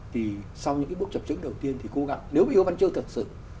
thì sau những bước chập chứng đầu tiên thì cố gắng nếu yêu văn chương thật sự